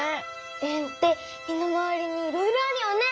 円って身の回りにいろいろあるよね。